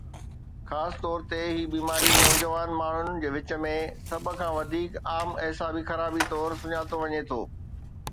خاص طور تي، هي بيماري نوجوان ماڻهن جي وچ ۾ سڀ کان وڌيڪ عام اعصابي خرابي طور سڃاتو وڃي ٿو